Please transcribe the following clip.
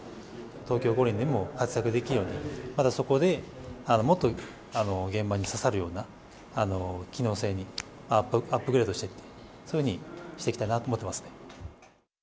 東京五輪でも活躍できるように、またそこでもっと現場に刺さるような機能性にアップグレードしていくと、そういうふうにしていきたいなと思ってますね。